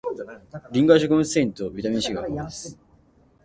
りんごは食物繊維とビタミン C が豊富です